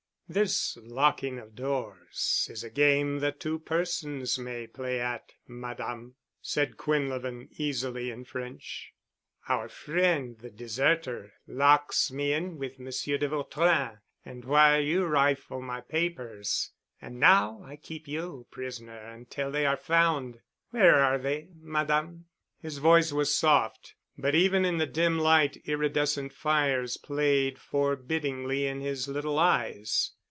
"This locking of doors is a game that two persons may play at, Madame," said Quinlevin easily, in French. "Our friend, the deserter, locks me in with Monsieur de Vautrin while you rifle my papers, and now I keep you prisoner until they are found. Where are they, Madame?" His voice was soft, but even in the dim light iridescent fires played forbiddingly in his little eyes.